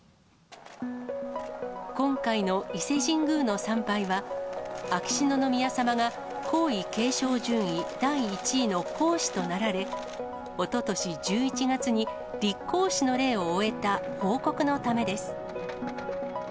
今回の伊勢神宮の参拝は、秋篠宮さまが、皇位継承順位第１位の皇嗣となられ、おととし１１月に立皇嗣の礼を終えた報告のためです。